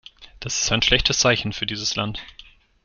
Das ist ein schlechtes Zeichen für dieses Land.